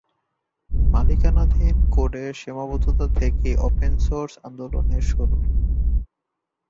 মালিকানাধীন কোডের সীমাবদ্ধতা থেকেই ওপেন সোর্স আন্দোলনের শুরু।